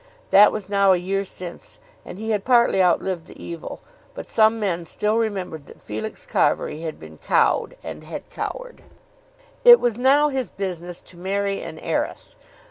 That was now a year since, and he had partly outlived the evil; but some men still remembered that Felix Carbury had been cowed, and had cowered. It was now his business to marry an heiress.